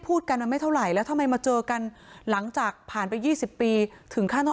พูดกันมันไม่เท่าไหร่แล้วทำไมมาเจอกันหลังจากผ่านไป๒๐ปีถึงขั้นต้อง